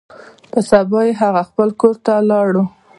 پر سبا يې هغه خپل کور ته ولاړ.